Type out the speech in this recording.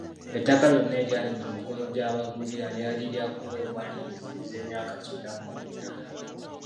Ettaka lyonna eryali mu mikono gy’abagwira lyali lyakuweebwa liizi ez’emyaka kyenda mu mwenda.